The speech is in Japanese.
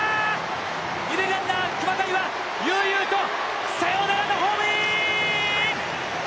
二塁ランナー熊谷は、悠々とサヨナラのホームイン！